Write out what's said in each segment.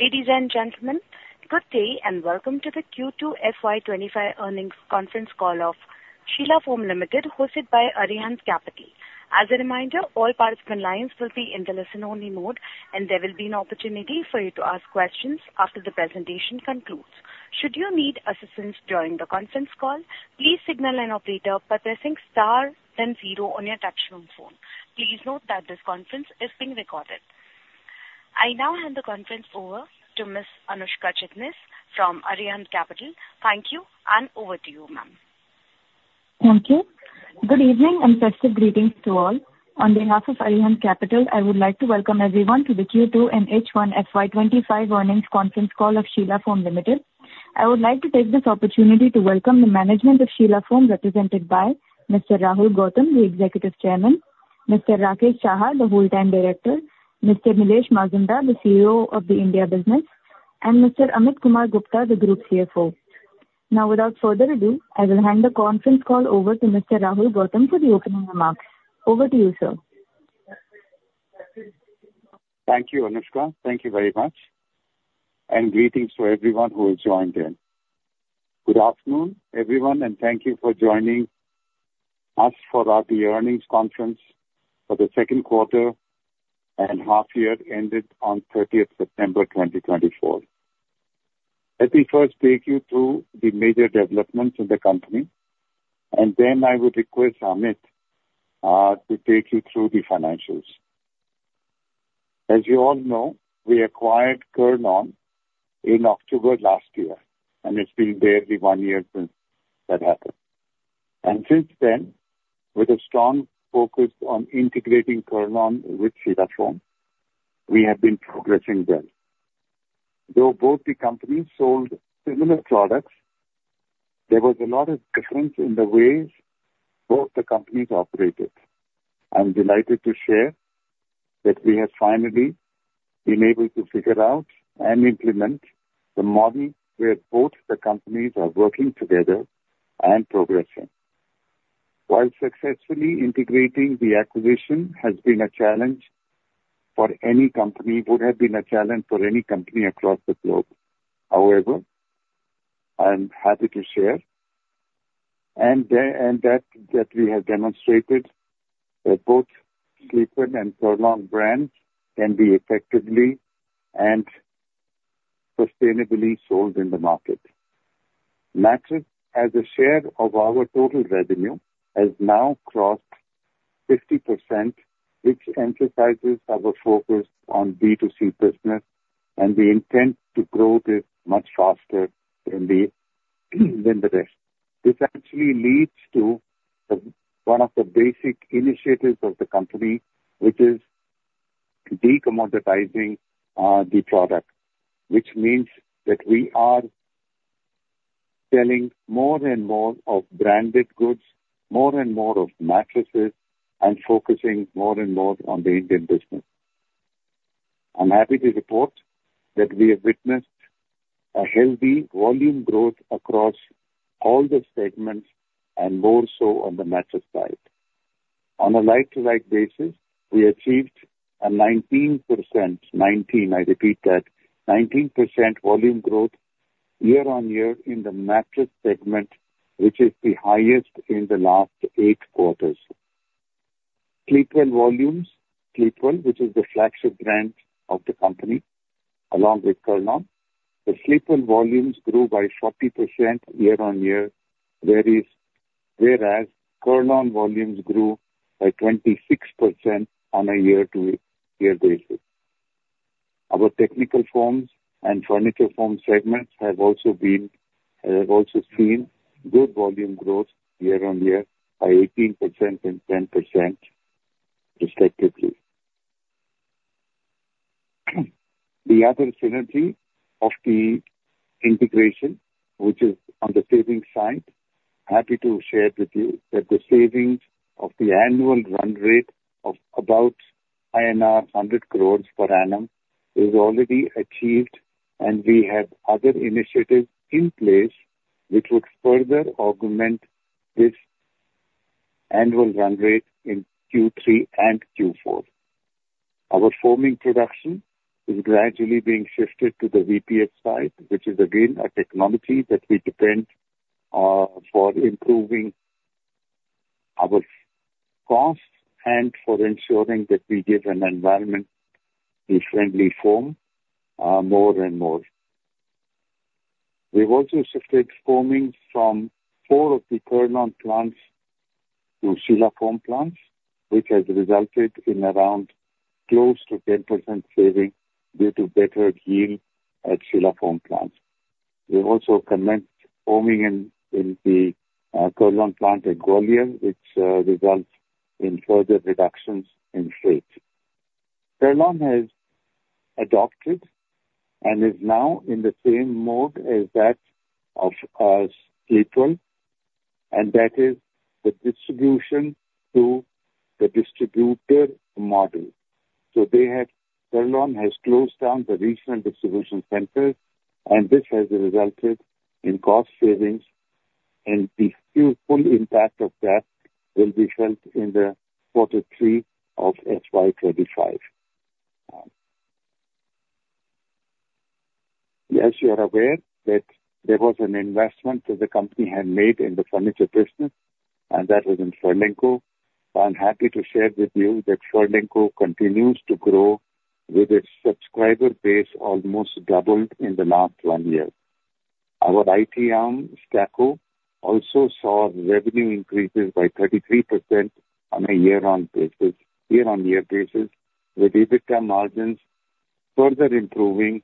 Ladies and gentlemen, good day and welcome to the Q2 FY25 earnings conference call of Sheela Foam Limited, hosted by Arihant Capital. As a reminder, all participant lines will be in the listen-only mode, and there will be an opportunity for you to ask questions after the presentation concludes. Should you need assistance during the conference call, please signal an operator by pressing star then zero on your touchscreen phone. Please note that this conference is being recorded. I now hand the conference over to Miss Anushka Chitnis from Arihant Capital. Thank you, and over to you, ma'am. Thank you. Good evening and festive greetings to all. On behalf of Arihant Capital, I would like to welcome everyone to the Q2 and H1 FY25 earnings conference call of Sheela Foam Limited. I would like to take this opportunity to welcome the management of Sheela Foam, represented by Mr. Rahul Gautam, the Executive Chairman, Mr. Rakesh Chahar, the Whole-time Director, Mr. Nilesh Mazumdar, the CEO of the India business, and Mr. Amit Kumar Gupta, the Group CFO. Now, without further ado, I will hand the conference call over to Mr. Rahul Gautam for the opening remarks. Over to you, sir. Thank you, Anushka. Thank you very much, and greetings to everyone who has joined in. Good afternoon, everyone, and thank you for joining us for our earnings conference for the second quarter and half-year ended on 30th September 2024. Let me first take you through the major developments in the company, and then I would request Amit to take you through the financials. As you all know, we acquired Kurlon in October last year, and it's been barely one year since that happened, and since then, with a strong focus on integrating Kurlon with Sheela Foam, we have been progressing well. Though both the companies sold similar products, there was a lot of difference in the ways both the companies operated. I'm delighted to share that we have finally been able to figure out and implement the model where both the companies are working together and progressing. While successfully integrating, the acquisition has been a challenge for any company. It would have been a challenge for any company across the globe. However, I'm happy to share that we have demonstrated that both Sleepwell and Furlenco brands can be effectively and sustainably sold in the market. Mattresses, as a share of our total revenue, has now crossed 50%, which emphasizes our focus on B2C business, and the intent to grow this much faster than the rest. This actually leads to one of the basic initiatives of the company, which is decommoditizing the product, which means that we are selling more and more of branded goods, more and more of mattresses, and focusing more and more on the Indian business. I'm happy to report that we have witnessed a healthy volume growth across all the segments, and more so on the mattress side. On a like-for-like basis, we achieved a 19%, 19, I repeat that, 19% volume growth year-on-year in the mattress segment, which is the highest in the last eight quarters. Sleepwell volumes, Sleepwell, which is the flagship brand of the company, along with Kurlon, the Sleepwell volumes grew by 40% year-on-year, whereas Kurlon volumes grew by 26% on a year-to-year basis. Our technical foams and furniture foam segments have also seen good volume growth year-on-year by 18% and 10%, respectively. The other synergy of the integration, which is on the savings side, I'm happy to share with you that the savings of the annual run rate of about INR 100 crores per annum is already achieved, and we have other initiatives in place which would further augment this annual run rate in Q3 and Q4. Our foaming production is gradually being shifted to the VPF side, which is again a technology that we depend on for improving our costs and for ensuring that we give an environmentally friendly foam more and more. We've also shifted foaming from four of the Kurlon plants to Sheela Foam plants, which has resulted in around close to 10% saving due to better yield at Sheela Foam plants. We've also commenced foaming in the Kurlon plant at Gwalior, which results in further reductions in freight. Kurlon has adopted and is now in the same mode as that of Sleepwell, and that is the distribution to the distributor model, so Kurlon has closed down the regional distribution centers, and this has resulted in cost savings, and the full impact of that will be felt in the quarter three of FY25. As you're aware that there was an investment that the company had made in the furniture business, and that was in Furlenco. I'm happy to share with you that Furlenco continues to grow with its subscriber base almost doubled in the last one year. Our IT arm, Staqo, also saw revenue increases by 33% on a year-on-year basis, with EBITDA margins further improving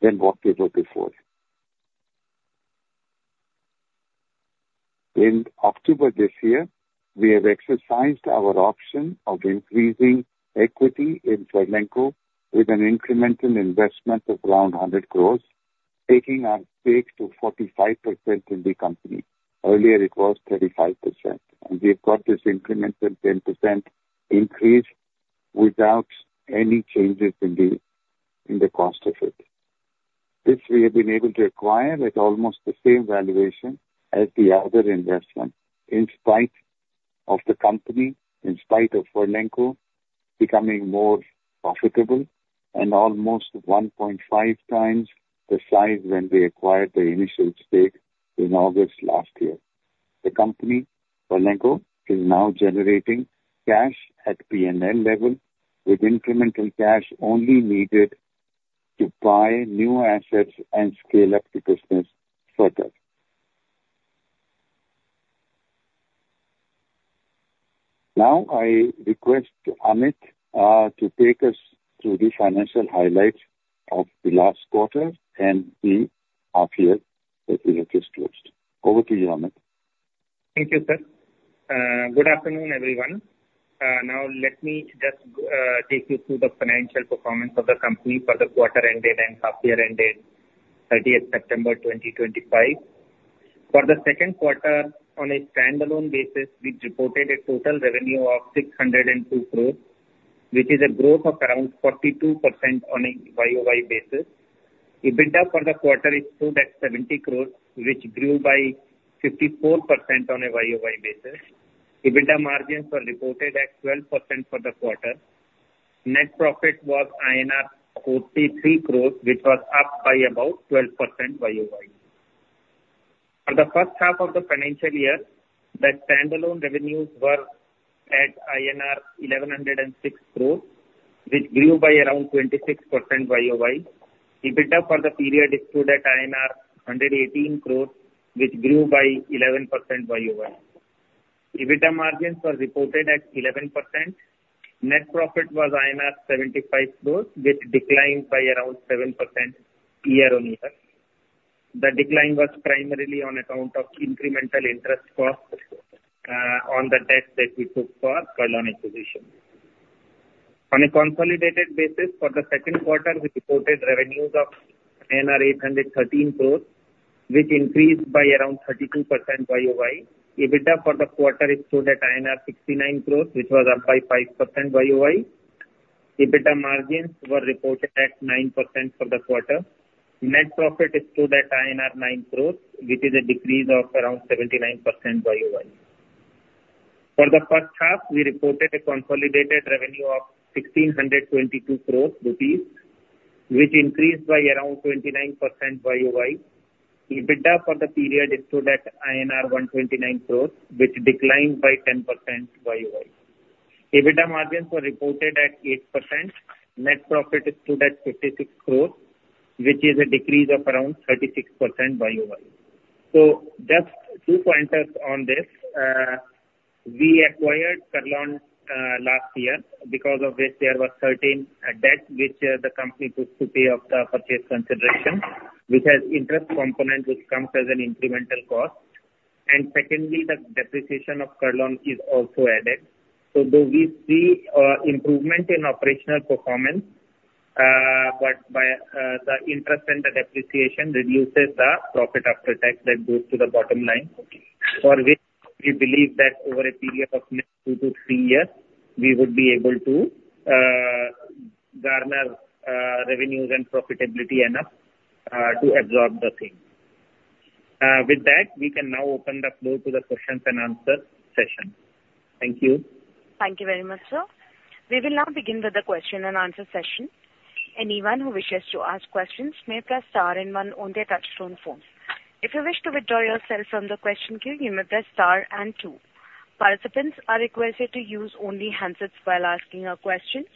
than what they were before. In October this year, we have exercised our option of increasing equity in Furlenco with an incremental investment of around 100 crores, taking our stake to 45% in the company. Earlier, it was 35%, and we've got this incremental 10% increase without any changes in the cost of it. This we have been able to acquire at almost the same valuation as the other investment, in spite of the company, in spite of Furlenco becoming more profitable and almost 1.5 times the size when we acquired the initial stake in August last year. The company, Furlenco, is now generating cash at P&L level with incremental cash only needed to buy new assets and scale up the business further. Now, I request Amit to take us through the financial highlights of the last quarter and the half-year that we have just closed. Over to you, Amit. Thank you, sir. Good afternoon, everyone. Now, let me just take you through the financial performance of the company for the quarter-ended and half-year-ended, 30th September 2025. For the second quarter, on a standalone basis, we reported a total revenue of 602 crores, which is a growth of around 42% on a YOY basis. EBITDA for the quarter is showed at 70 crores, which grew by 54% on a YOY basis. EBITDA margins were reported at 12% for the quarter. Net profit was INR 43 crores, which was up by about 12% YOY. For the first half of the financial year, the standalone revenues were at INR 1,106 crores, which grew by around 26% YOY. EBITDA for the period is showed at INR 118 crores, which grew by 11% YOY. EBITDA margins were reported at 11%. Net profit was 75 crores, which declined by around 7% year-on-year. The decline was primarily on account of incremental interest costs on the debt that we took for Kurlon acquisition. On a consolidated basis, for the second quarter, we reported revenues of 813 crores, which increased by around 32% YOY. EBITDA for the quarter is showed at INR 69 crores, which was up by 5% YOY. EBITDA margins were reported at 9% for the quarter. Net profit is showed at INR 9 crores, which is a decrease of around 79% YOY. For the first half, we reported a consolidated revenue of 1,622 crores rupees, which increased by around 29% YOY. EBITDA for the period is showed at INR 129 crores, which declined by 10% YOY. EBITDA margins were reported at 8%. Net profit is showed at 56 crores, which is a decrease of around 36% YOY, so just two pointers on this. We acquired Kurlon last year because of which there was certain debt which the company took to pay off the purchase consideration, which has an interest component which comes as an incremental cost. And secondly, the depreciation of Kurlon is also added. So though we see improvement in operational performance, but the interest and the depreciation reduces the profit after tax that goes to the bottom line, for which we believe that over a period of two to three years, we would be able to garner revenues and profitability enough to absorb the same. With that, we can now open the floor to the questions and answer session. Thank you. Thank you very much, sir. We will now begin with the question and answer session. Anyone who wishes to ask questions may press star and one on their touchtone phones. If you wish to withdraw yourself from the question queue, you may press star and two. Participants are requested to use only handsets while asking your questions.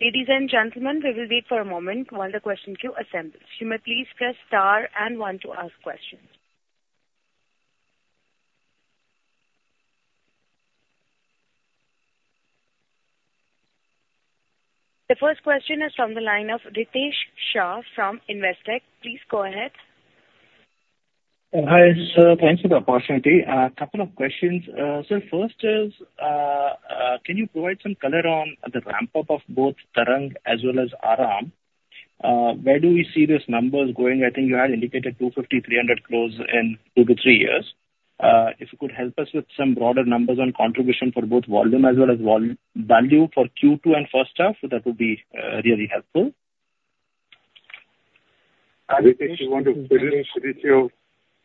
Ladies and gentlemen, we will wait for a moment while the question queue assembles. You may please press star and one to ask questions. The first question is from the line of Ritesh Shah from Investec. Please go ahead. Hi, sir. Thanks for the opportunity. A couple of questions. So first is, can you provide some color on the ramp-up of both Tarang as well as Aaram? Where do we see those numbers going? I think you had indicated 250-300 crores in two to three years. If you could help us with some broader numbers on contribution for both volume as well as value for Q2 and first half, that would be really helpful. Ritesh, do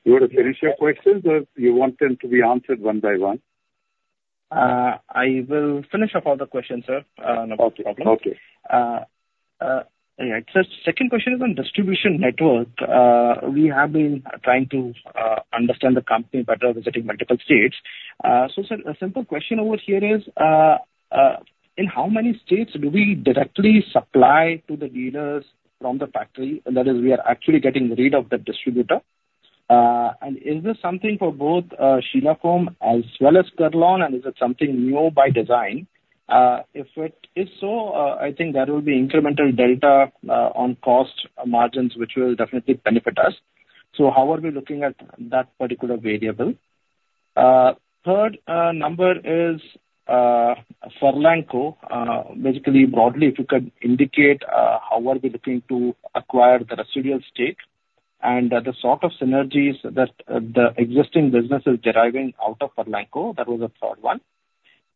you want to finish your questions, or do you want them to be answered one by one? I will finish up all the questions, sir. No problem. Okay. Yeah. So the second question is on distribution network. We have been trying to understand the company better visiting multiple states. So sir, a simple question over here is, in how many states do we directly supply to the dealers from the factory? That is, we are actually getting rid of the distributor. And is this something for both Sheela Foam as well as Kurlon, and is it something new by design? If it is so, I think that will be incremental delta on cost margins, which will definitely benefit us. So how are we looking at that particular variable? The third number is Furlenco. Basically, broadly, if you could indicate how we are looking to acquire the residual stake and the sort of synergies that the existing business is deriving out of Furlenco. That was the third one,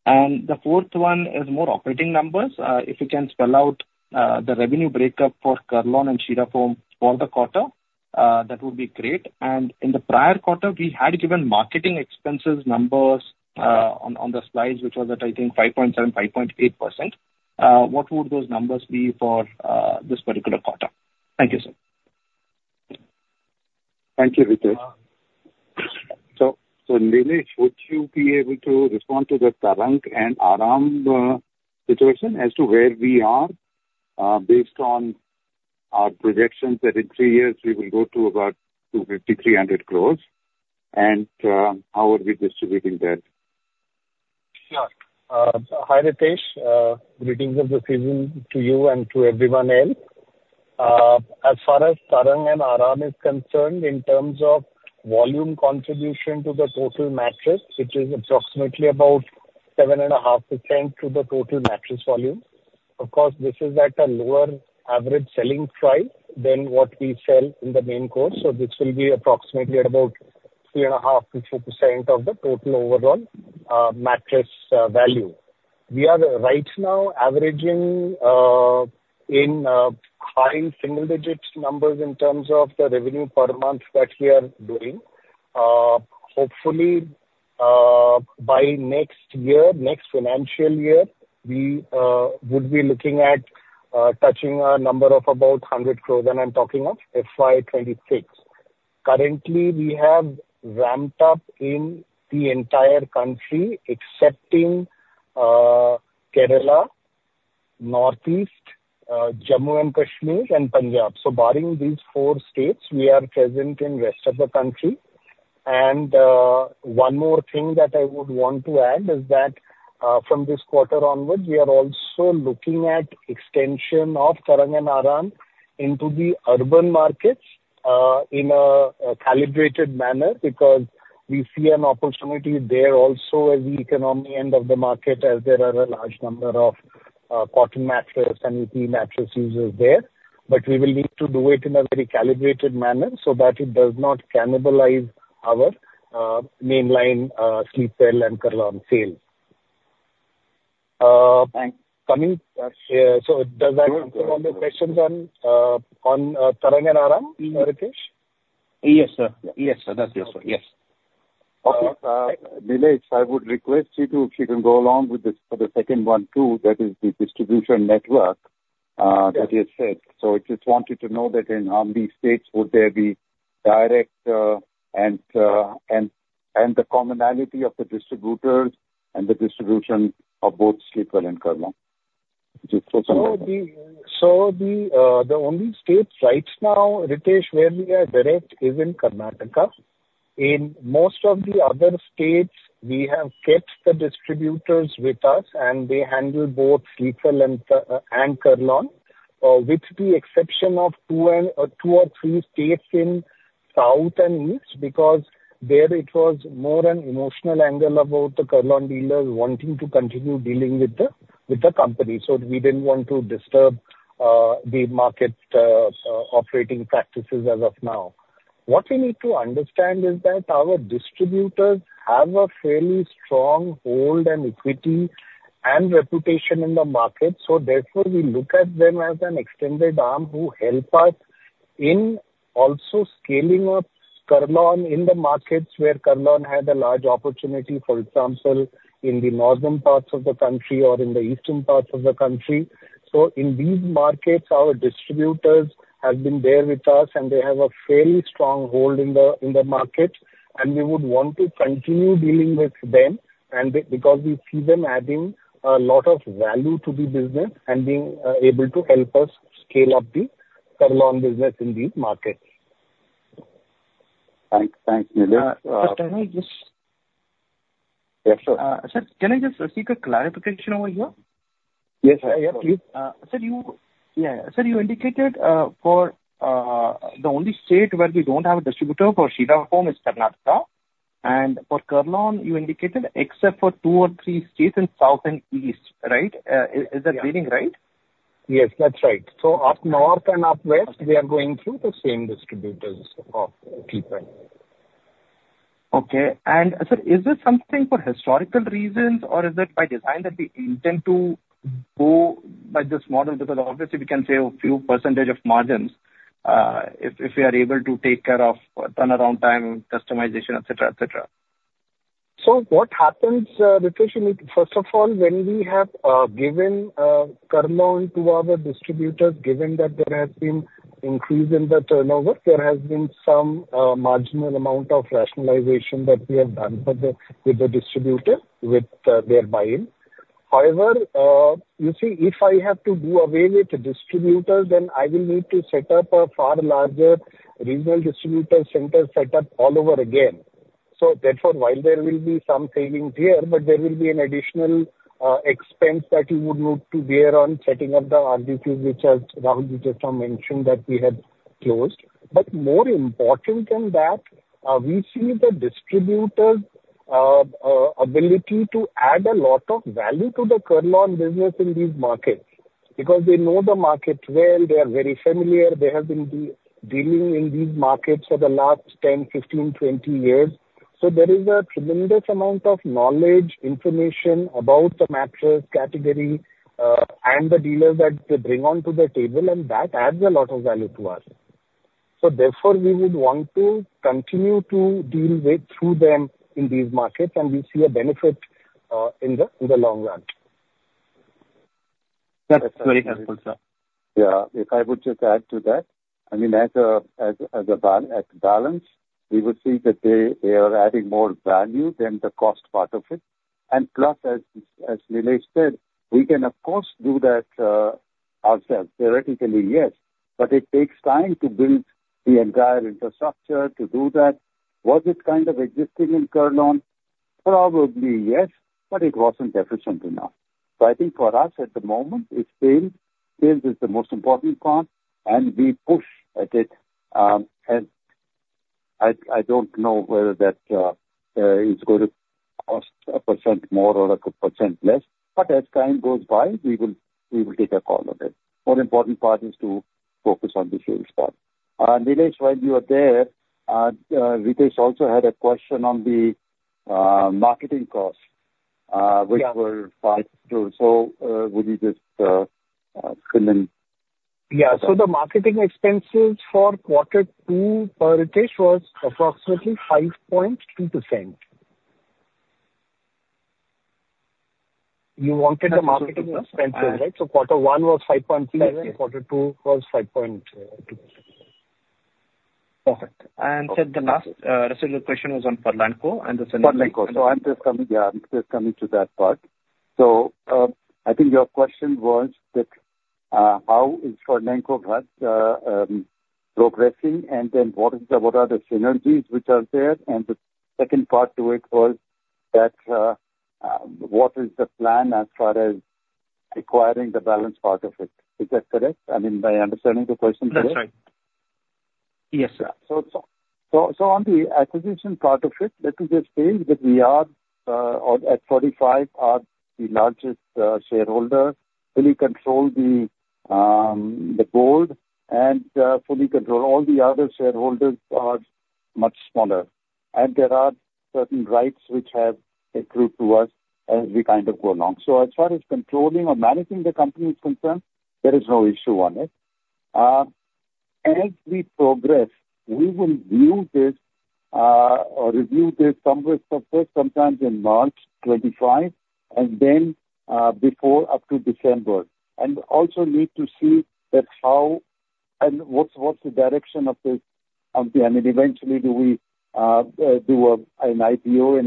and the fourth one is more operating numbers. If you can spell out the revenue breakup for Kurlon and Sheela Foam for the quarter, that would be great. In the prior quarter, we had given marketing expenses numbers on the slides, which was at, I think, 5.7% to 5.8%. What would those numbers be for this particular quarter? Thank you, sir. Thank you, Ritesh. So Nilesh, would you be able to respond to the Tarang and Aaram situation as to where we are based on our projections that in three years, we will go to about 250-300 crores? And how are we distributing that? Sure. Hi, Ritesh. Greetings of the season to you and to everyone else. As far as Tarang and Aaram is concerned, in terms of volume contribution to the total mattress, which is approximately about 7.5% to the total mattress volume, of course, this is at a lower average selling price than what we sell in the main core. So this will be approximately about 3.5% to 4% of the total overall mattress value. We are right now averaging in high single-digit numbers in terms of the revenue per month that we are doing. Hopefully, by next year, next financial year, we would be looking at touching a number of about 100 crores that I'm talking of, FY26. Currently, we have ramped up in the entire country, excepting Kerala, North East, Jammu and Kashmir, and Punjab. So barring these four states, we are present in the rest of the country. And one more thing that I would want to add is that from this quarter onwards, we are also looking at extension of Tarang and Aaram into the urban markets in a calibrated manner because we see an opportunity there also as the economy end of the market, as there are a large number of cotton mattress and EP mattress users there. But we will need to do it in a very calibrated manner so that it does not cannibalize our mainline Sleepwell and Kurlon sales. Thanks. So does that answer all the questions on Tarang and Aaram, Ritesh? Yes, sir. Yes, sir. That's yours. Yes. Okay. Nilesh, I would request you to, if you can go along with this for the second one too, that is the distribution network that you said. So I just wanted to know that in how many states would there be direct and the commonality of the distributors and the distribution of both Sleepwell and Kurlon? Just for some reference. So the only state right now, Ritesh, where we are direct is in Karnataka. In most of the other states, we have kept the distributors with us, and they handle both Sleepwell and Kurlon, with the exception of two or three states in South and East because there it was more an emotional angle about the Kurlon dealers wanting to continue dealing with the company. So we didn't want to disturb the market operating practices as of now. What we need to understand is that our distributors have a fairly strong hold and equity and reputation in the market. So therefore, we look at them as an extended arm who help us in also scaling up Kurlon in the markets where Kurlon had a large opportunity, for example, in the northern parts of the country or in the eastern parts of the country. In these markets, our distributors have been there with us, and they have a fairly strong hold in the market. We would want to continue dealing with them because we see them adding a lot of value to the business and being able to help us scale up the Kurlon business in these markets. Thanks. Thanks, Nilesh. Sir, can I just seek a clarification over here? Yes, sir. Yeah, please. Sir, you indicated for the only state where we don't have a distributor for Sheela Foam is Karnataka. And for Kurlon, you indicated except for two or three states in South and East, right? Is that reading right? Yes, that's right. So up north and up west, we are going through the same distributors of Sleepwell. Okay, and sir, is this something for historical reasons, or is it by design that we intend to go by this model? Because obviously, we can say a few percentage of margins if we are able to take care of turnaround time, customization, etc., etc. What happens, Ritesh, first of all, when we have given Kurlon to our distributors, given that there has been increase in the turnover, there has been some marginal amount of rationalization that we have done with the distributor with their buy-in. However, you see, if I have to do away with the distributors, then I will need to set up a far larger regional distribution center setup all over again. So therefore, while there will be some savings here, but there will be an additional expense that you would need to bear on setting up the RDC, which as Rahul just mentioned that we had closed. But more important than that, we see the distributor's ability to add a lot of value to the Kurlon business in these markets because they know the market well. They are very familiar. They have been dealing in these markets for the last 10, 15, 20 years. So there is a tremendous amount of knowledge, information about the mattress category and the dealers that they bring onto the table, and that adds a lot of value to us. So therefore, we would want to continue to deal through them in these markets, and we see a benefit in the long run. That's very helpful, sir. Yeah. If I would just add to that, I mean, as a balance, we would see that they are adding more value than the cost part of it. Plus, as Nilesh said, we can, of course, do that ourselves. Theoretically, yes. But it takes time to build the entire infrastructure to do that. Was it kind of existing in Kurlon? Probably yes, but it wasn't efficient enough. So I think for us at the moment, it's sales. Sales is the most important part, and we push at it. I don't know whether that is going to cost 1% more or 1% less. But as time goes by, we will take a call on it. The more important part is to focus on the sales part. Nilesh, while you are there, Ritesh also had a question on the marketing costs, which were 5 crore. Would you just fill in? Yeah. So the marketing expenses for quarter two per Ritesh was approximately 5.2%. You wanted the marketing expenses, right? So quarter one was 5.2%, quarter two was 5.2%. Perfect. And sir, the last residual question was on Furlenco and the synergies. Furlenco. So I'm just coming to that part. So I think your question was that how is Furlenco progressing, and then what are the synergies which are there? And the second part to it was that what is the plan as far as acquiring the balance part of it? Is that correct? I mean, am I understanding the question correct? That's right. Yes, sir. So, on the acquisition part of it, let me just say that we are at 45%, are the largest shareholders. Fully control the board and fully control all the other shareholders are much smaller. And there are certain rights which have accrued to us as we kind of go along. So, as far as controlling or managing the company is concerned, there is no issue on it. As we progress, we will view this or review this somewhere sometime in March 2025 and then before up to December. And also need to see that how and what's the direction of this. I mean, eventually, do we do an IPO in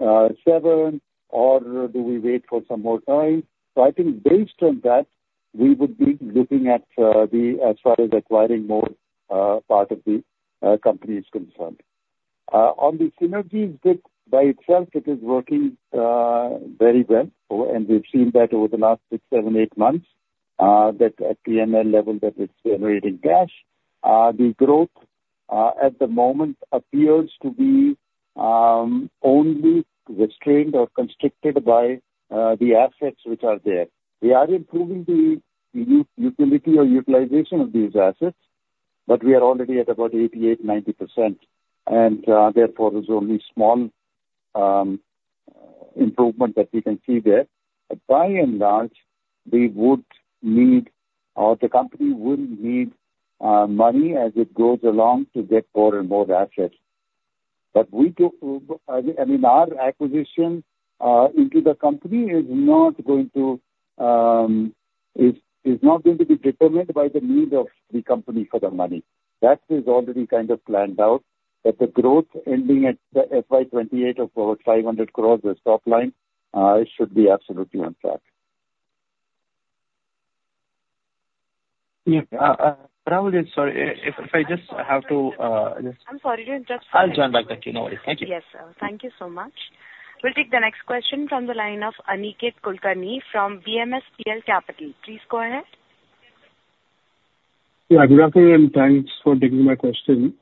FY27, or do we wait for some more time? So, I think based on that, we would be looking at the as far as acquiring more part of the company is concerned. On the synergies by itself, it is working very well. And we've seen that over the last six, seven, eight months that at P&L level that it's generating cash. The growth at the moment appears to be only restrained or constricted by the assets which are there. We are improving the utility or utilization of these assets, but we are already at about 88%, 90%. And therefore, there's only small improvement that we can see there. But by and large, we would need the company will need money as it goes along to get more and more assets. But I mean, our acquisition into the company is not going to be determined by the need of the company for the money. That is already kind of planned out that the growth ending at the FY28 of about 500 crores is top line. It should be absolutely on track. Yeah. Rahul, sorry. If I just have to. I'm sorry. You didn't just. I'll join back at you. No worries. Thank you. Yes, sir. Thank you so much. We'll take the next question from the line of Aniket Kulkarni from BMSPL Capital. Please go ahead. Yeah. Good afternoon. Thanks for taking my question.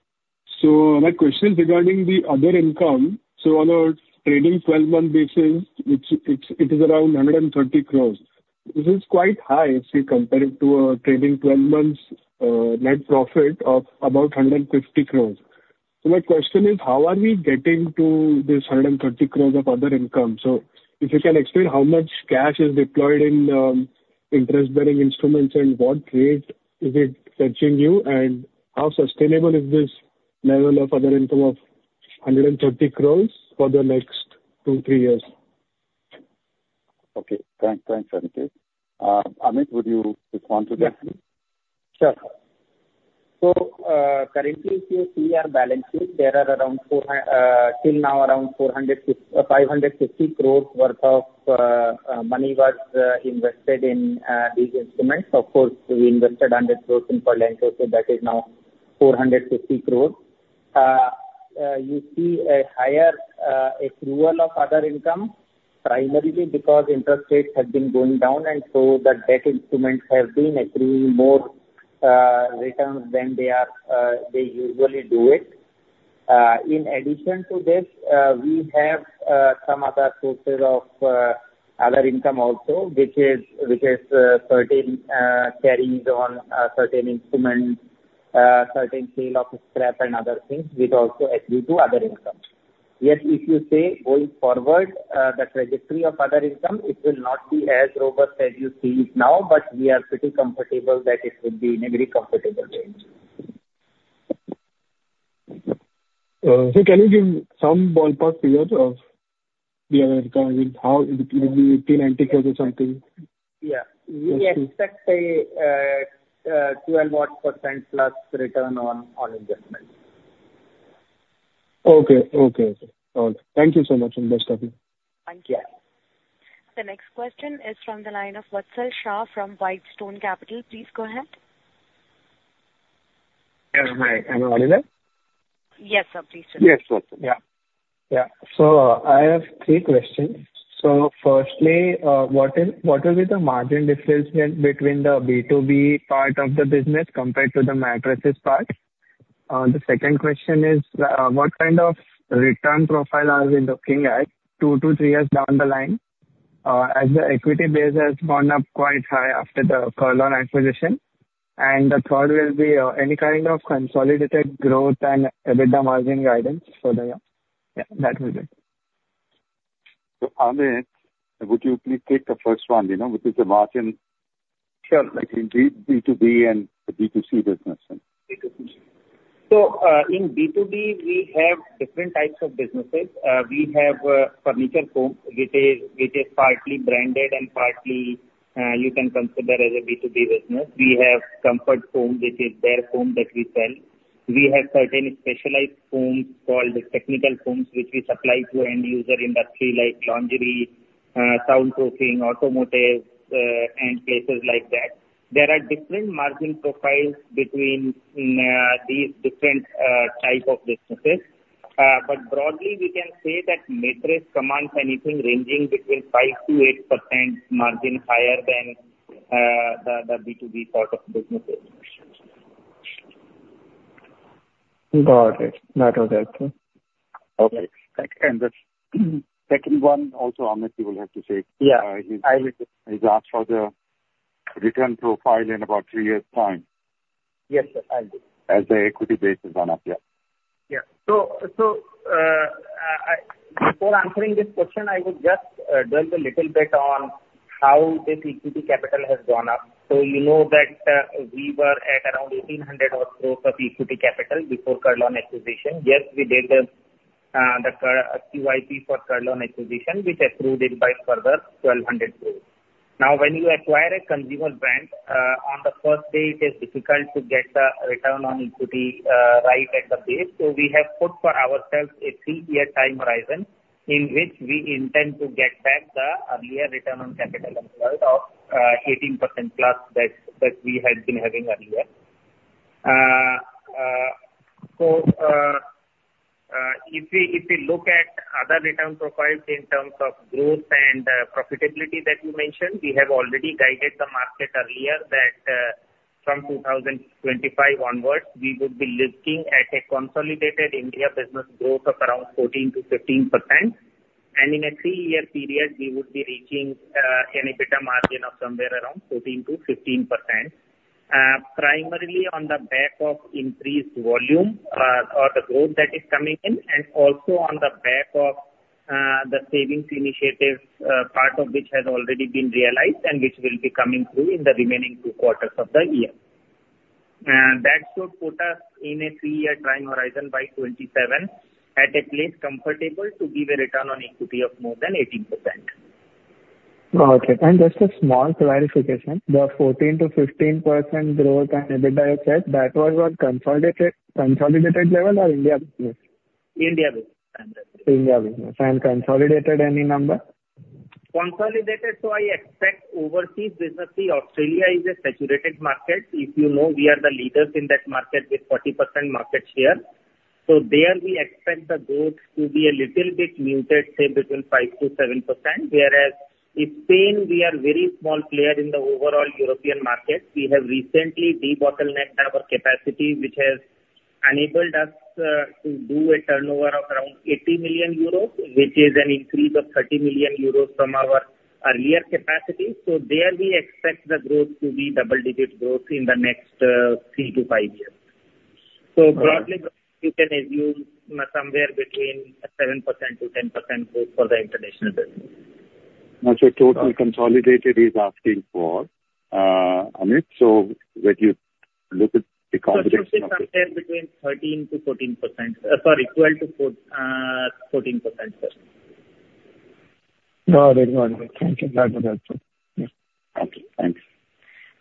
So my question is regarding the other income. So on a trailing 12-month basis, it is around 130 crores. This is quite high if you compare it to a trailing 12-month net profit of about 150 crores. So my question is, how are we getting to this 130 crores of other income? So if you can explain how much cash is deployed in interest-bearing instruments and what rate is it touching now, and how sustainable is this level of other income of 130 crores for the next two, three years? Okay. Thanks, Aniket. Amit, would you respond to that? Yes, sir. So currently, if you see our balance sheet, there are around till now around 550 crores worth of money was invested in these instruments. Of course, we invested 100 crores in Furlenco, so that is now 450 crores. You see a higher accrual of other income primarily because interest rates have been going down, and so the debt instruments have been accruing more returns than they usually do it. In addition to this, we have some other sources of other income also, which is certain carries on certain instruments, certain sale of scrap and other things which also accrue to other income. Yet, if you say going forward, the trajectory of other income, it will not be as robust as you see it now, but we are pretty comfortable that it would be in a very comfortable range. So can you give some ballpark figure of the other income? I mean, how it would be 18.90 crores or something? Yeah. We expect a 12 odd% plus return on investment. Okay. Okay. All right. Thank you so much, Ritesh. Thank you. The next question is from the line of Vatsal Shah from Knightstone Capital. Please go ahead. Yes. Hi. Am I on it? Yes, sir. Please do. Yes, sir. So I have three questions. So firstly, what will be the margin difference between the B2B part of the business compared to the mattresses part? The second question is, what kind of return profile are we looking at two to three years down the line as the equity base has gone up quite high after the Kurlon acquisition? And the third will be any kind of consolidated growth and EBITDA margin guidance for the year. Yeah, that will be. So Amit, would you please take the first one with the margin? Sure. Like in B2B and B2C business? So in B2B, we have different types of businesses. We have furniture foam, which is partly branded and partly you can consider as a B2B business. We have comfort foam, which is their foam that we sell. We have certain specialized foams called technical foams, which we supply to end-user industry like laundry, soundproofing, automotive, and places like that. There are different margin profiles between these different types of businesses. But broadly, we can say that mattress commands anything ranging between 5% to 8% margin higher than the B2B sort of businesses. Got it. That will help me. Okay, and the second one also, Amit, you will have to say. Yeah. I will. He's asked for the return profile in about three years' time. Yes, sir. I will. As the equity base has gone up. Yeah. Yeah. So before answering this question, I would just dwell a little bit on how this equity capital has gone up. So you know that we were at around 1,800 crores of equity capital before Kurlon acquisition. Yes, we did the QIP for Kurlon acquisition, which accrued it by further 1,200 crores. Now, when you acquire a consumer brand, on the first day, it is difficult to get the return on equity right at the base. So we have put for ourselves a three-year time horizon in which we intend to get back the earlier return on capital of 18% plus that we had been having earlier. So if we look at other return profiles in terms of growth and profitability that you mentioned, we have already guided the market earlier that from 2025 onwards, we would be looking at a consolidated India business growth of around 14% to 15%. And in a three-year period, we would be reaching an EBITDA margin of somewhere around 14% to 15%, primarily on the back of increased volume or the growth that is coming in, and also on the back of the savings initiative, part of which has already been realized and which will be coming through in the remaining two quarters of the year. That should put us in a three-year time horizon by 2027 at a place comfortable to give a return on equity of more than 18%. Okay. And just a small clarification, the 14% to 15% growth and EBITDA you said, that was on consolidated level or India business? India business. India business and consolidated, any number? Consolidated. So I expect overseas business, Australia is a saturated market. If you know, we are the leaders in that market with 40% market share. So there, we expect the growth to be a little bit muted, say, between 5% to 7%. Whereas in Spain, we are a very small player in the overall European market. We have recently de-bottlenecked our capacity, which has enabled us to do a turnover of around 80 million euros, which is an increase of 30 million euros from our earlier capacity. So there, we expect the growth to be double-digit growth in the next three to five years. So broadly, you can assume somewhere between 7% to 10% growth for the international business. What your total consolidated is asking for, Amit? so when you look at the comparison? Consolidated is somewhere between 13% to 14%. Sorry, 12% to 14%, sir. Got it. Got it. Thank you. That will help you. Okay. Thanks.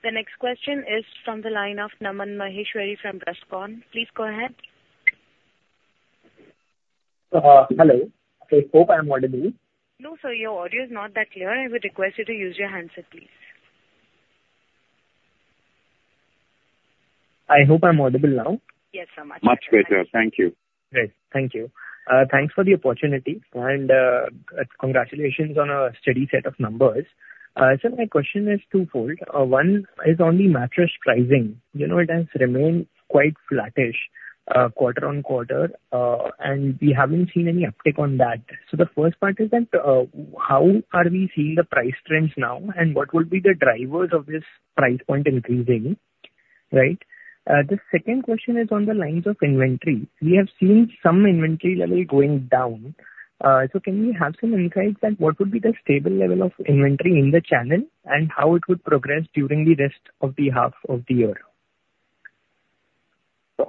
The next question is from the line of Naman Maheshwari from Brescon. Please go ahead. Hello. I hope I'm audible. No, sir. Your audio is not that clear. I would request you to use your handset, please. I hope I'm audible now. Yes, sir. Much better. Thank you. Great. Thank you. Thanks for the opportunity. And congratulations on a steady set of numbers. So my question is twofold. One is on the mattress pricing. It has remained quite flattish quarter on quarter, and we haven't seen any uptick on that. So the first part is that how are we seeing the price trends now, and what will be the drivers of this price point increasing, right? The second question is on the lines of inventory. We have seen some inventory level going down. So can we have some insights on what would be the stable level of inventory in the channel and how it would progress during the rest of the half of the year?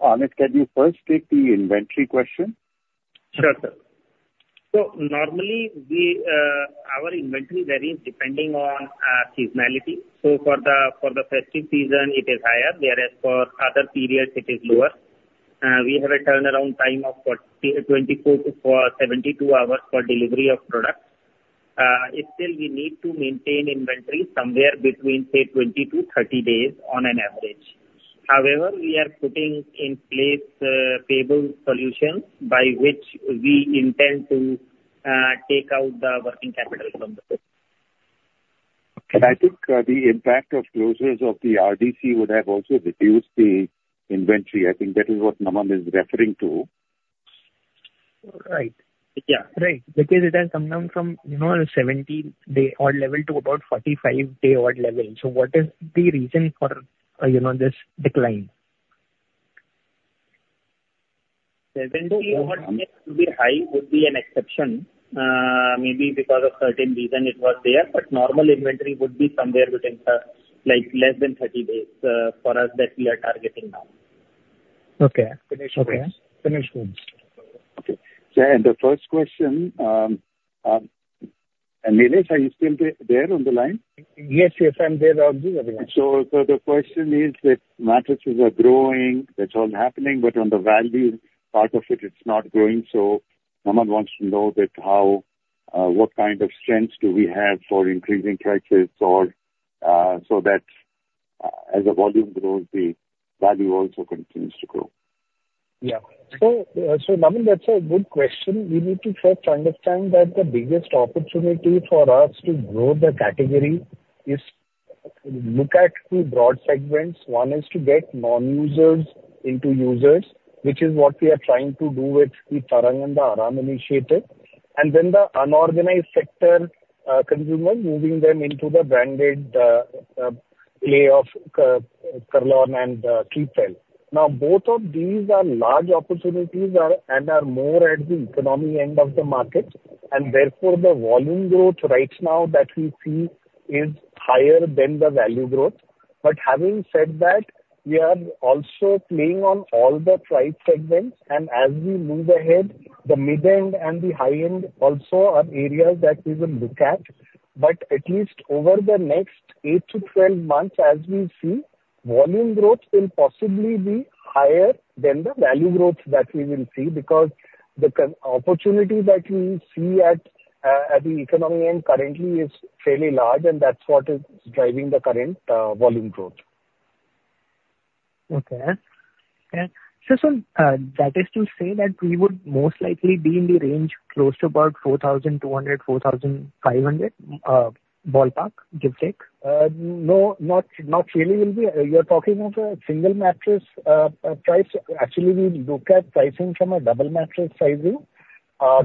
So Amit, can you first take the inventory question? Sure, sir. So normally, our inventory varies depending on seasonality. So for the festive season, it is higher, whereas for other periods, it is lower. We have a turnaround time of 24 to 72 hours for delivery of products. Still, we need to maintain inventory somewhere between, say, 20 to 30 days on an average. However, we are putting in place payable solutions by which we intend to take out the working capital from the. I think the impact of closures of the RDC would have also reduced the inventory. I think that is what Naman is referring to. Right. Yeah. Right. Because it has come down from a 17-day-odd level to about 45-day-odd level. So what is the reason for this decline? 70-odd days would be high, would be an exception, maybe because of certain reason it was there. But normal inventory would be somewhere between less than 30 days for us that we are targeting now. Okay. Finish. Finish. Okay. And the first question, Nilesh, are you still there on the line? Yes, yes. I'm there. So the question is that mattresses are growing. That's all happening. But on the value part of it, it's not growing. So Naman wants to know what kind of strengths do we have for increasing prices so that as the volume grows, the value also continues to grow. Yeah, so Naman, that's a good question. We need to first understand that the biggest opportunity for us to grow the category is to look at two broad segments. One is to get non-users into users, which is what we are trying to do with the Tarang and the Aaram initiative, and then the unorganized sector consumers, moving them into the branded play of Kurlon and Sleepwell. Now, both of these are large opportunities and are more at the economy end of the market, and therefore, the volume growth right now that we see is higher than the value growth, but having said that, we are also playing on all the price segments, and as we move ahead, the mid-end and the high-end also are areas that we will look at. But at least over the next eight to 12 months, as we see, volume growth will possibly be higher than the value growth that we will see because the opportunity that we see at the economy end currently is fairly large, and that's what is driving the current volume growth. Okay. Okay. So that is to say that we would most likely be in the range close to about 4,200 to 4,500 ballpark, give or take? No, not really. You're talking of a single mattress price. Actually, we look at pricing from a double mattress sizing.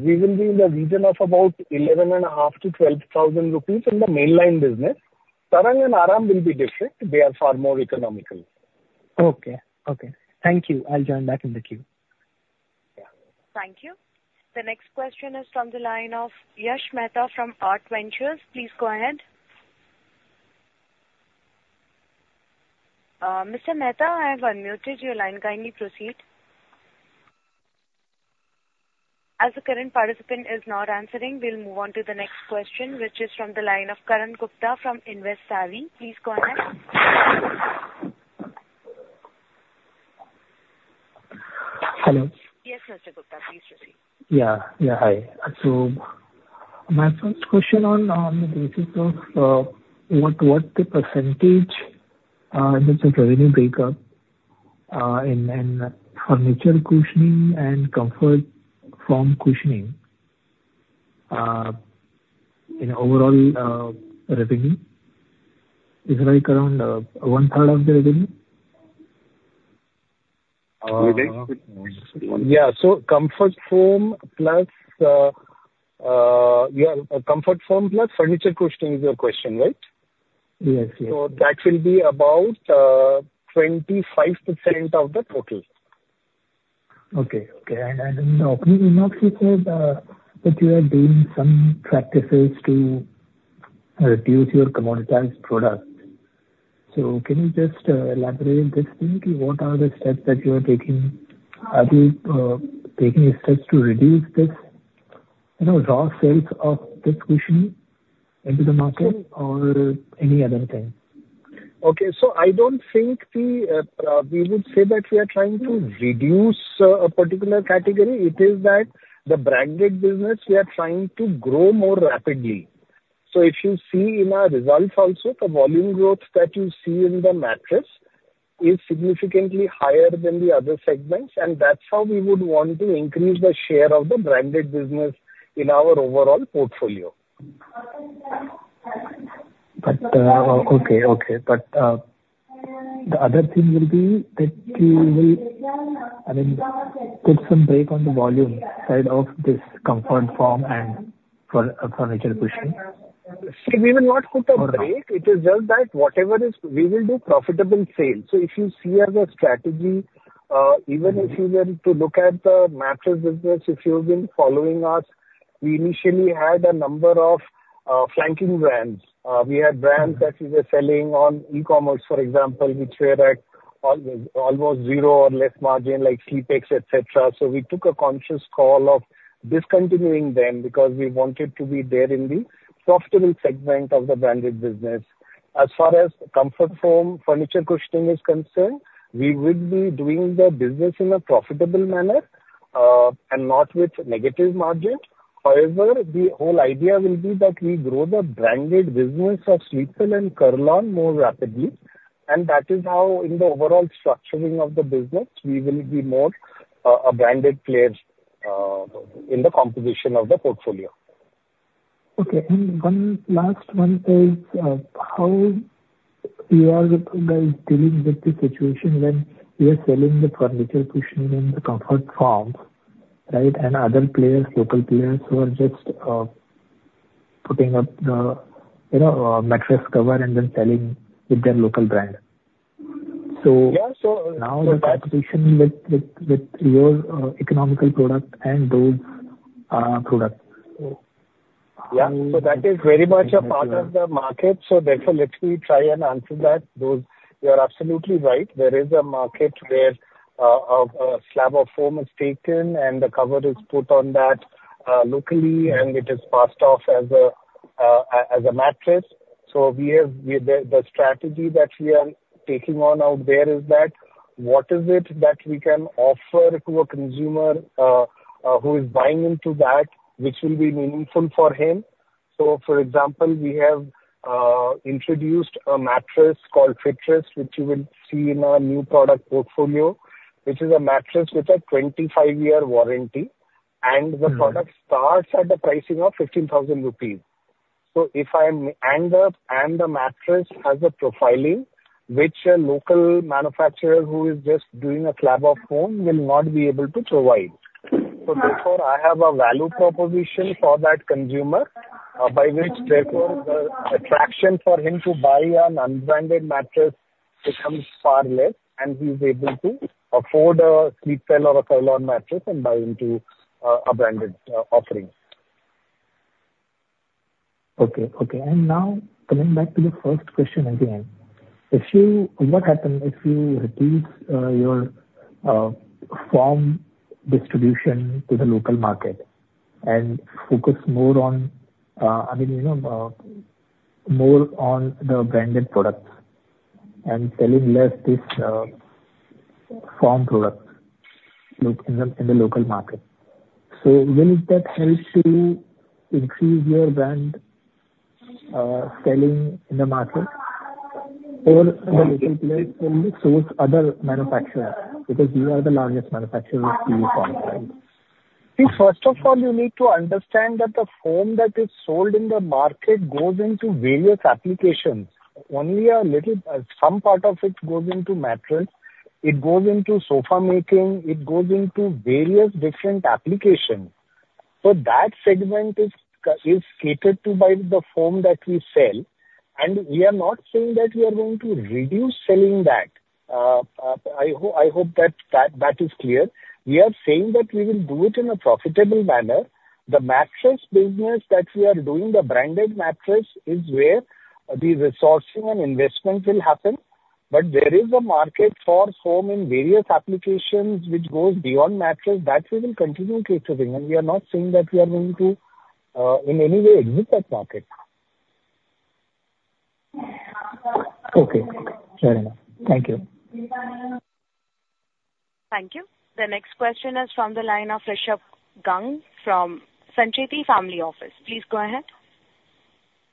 We will be in the region of about 11,500 to 12,000 rupees in the mainline business. Tarang and Aaram will be different. They are far more economical. Okay. Okay. Thank you. I'll join back in the queue. Yeah. Thank you. The next question is from the line of Yash Mehta from Art Ventures. Please go ahead. Mr. Mehta, I have unmuted your line. Kindly proceed. As the current participant is not answering, we'll move on to the next question, which is from the line of Karan Gupta from Invest Savvy. Please go ahead. Hello. Yes, Mr. Gupta. Please proceed. Hi. So my first question on the basis of what the percentage of revenue break-up in furniture cushioning and comfort foam cushioning in overall revenue is like around one-third of the revenue? Yeah, so comfort foam plus furniture cushioning is your question, right? Yes. Yes. That will be about 25% of the total. I didn't know. You know she said that you are doing some practices to reduce your commoditized product. So can you just elaborate this? What are the steps that you are taking? Are you taking steps to reduce the raw sales of this cushioning into the market or any other thing? Okay, so I don't think we would say that we are trying to reduce a particular category. It is that the branded business, we are trying to grow more rapidly so if you see in our results also, the volume growth that you see in the mattress is significantly higher than the other segments, and that's how we would want to increase the share of the branded business in our overall portfolio. Okay. But the other thing will be that you will put some brake on the volume side of this comfort foam and furniture cushioning. We will not put a brake. It is just that whatever is we will do profitable sales. So if you see as a strategy, even if you were to look at the mattress business, if you've been following us, we initially had a number of flanking brands. We had brands that we were selling on e-commerce, for example, which were at almost zero or less margin, like SleepX, etc. So we took a conscious call of discontinuing them because we wanted to be there in the profitable segment of the branded business. As far as comfort foam furniture cushioning is concerned, we will be doing the business in a profitable manner and not with negative margin. However, the whole idea will be that we grow the branded business of Sleepwell and Kurlon more rapidly. That is how, in the overall structuring of the business, we will be more a branded player in the composition of the portfolio. Okay. And one last one is how you are dealing with the situation when you are selling the furniture cushioning and the comfort foams, right, and other players, local players who are just putting up the mattress cover and then selling with their local brand. So now the competition with your economical product and those products. Yeah. So that is very much a part of the market. So therefore, let me try and answer that. You're absolutely right. There is a market where a slab of foam is taken and the cover is put on that locally, and it is passed off as a mattress. So the strategy that we are taking on out there is that what is it that we can offer to a consumer who is buying into that, which will be meaningful for him? So for example, we have introduced a mattress called FitRest, which you will see in our new product portfolio, which is a mattress with a 25-year warranty. And the product starts at the pricing of 15,000 rupees. So if I am and the mattress has a profiling, which a local manufacturer who is just doing a slab of foam will not be able to provide. So therefore, I have a value proposition for that consumer by which therefore the attraction for him to buy an unbranded mattress becomes far less, and he's able to afford a Sleepwell or a Kurlon mattress and buy into a branded offering. And now coming back to the first question again, what happens if you reduce your foam distribution to the local market and focus more on, I mean, more on the branded products and selling less this foam product in the local market? So will that help to increase your brand selling in the market or the local players will source other manufacturers because you are the largest manufacturer of PU foam? See, first of all, you need to understand that the foam that is sold in the market goes into various applications. Only a little some part of it goes into mattress. It goes into sofa making. It goes into various different applications. So that segment is catered to by the foam that we sell. And we are not saying that we are going to reduce selling that. I hope that that is clear. We are saying that we will do it in a profitable manner. The mattress business that we are doing, the branded mattress, is where the resourcing and investment will happen. But there is a market for foam in various applications which goes beyond mattress that we will continue catering. And we are not saying that we are going to in any way exit that market. Okay. Fair enough. Thank you. Thank you. The next question is from the line of Rishabh Gang from Sancheti Family Office. Please go ahead.